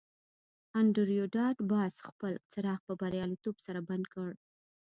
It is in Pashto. انډریو ډاټ باس خپل څراغ په بریالیتوب سره بند کړ